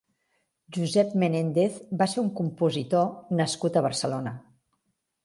Josep Menéndez va ser un compositor nascut a Barcelona.